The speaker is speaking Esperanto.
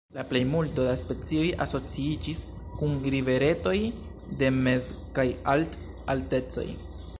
La plejmulto da specioj asociiĝis kun riveretoj de mez- kaj alt-altecoj.